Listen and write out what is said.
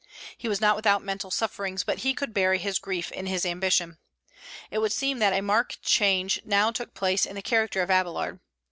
He was not without mental sufferings, but he could bury his grief in his ambition. It would seem that a marked change now took place in the character of Abélard.